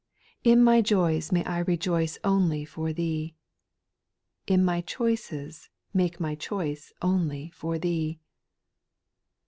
' 8. In my joys may I rejoice Only for Thee. In my choices make my choice Only for Thee.